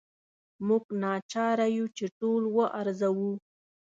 موږ ناچاره یو چې ټول وارزوو.